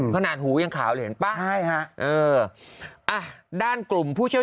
ขนาดหูยังขาวเลยเห็นป่ะ